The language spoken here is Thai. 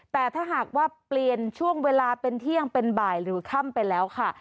แต่ถ้าหากว่าเปลี่ยนช่วงเวลาเป็นเที่ยงเป็นบ่ายหรือค่ำไปแล้วค่ะ